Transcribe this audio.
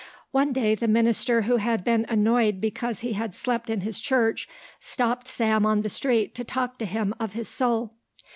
One day the minister who had been annoyed because he had slept in his church, stopped Sam on the street to talk to him of his soul.